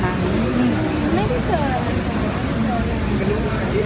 ไม่ได้เจอ